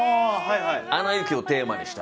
「アナ雪」をテーマにした。